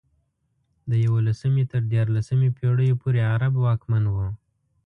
د یولسمې تر دیارلسمې پېړیو پورې عرب واکمن وو.